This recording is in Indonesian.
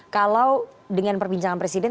kalau dengan perbincangan presiden